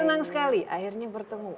senang sekali akhirnya bertemu